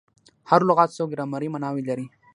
هر لغت څو ګرامري ماناوي لري.